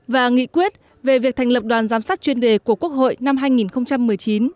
và nghị quyết về việc thành lập đoàn giám sát chuyên đề của quốc hội năm hai nghìn một mươi chín